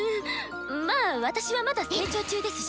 まぁ私はまだ成長中ですし？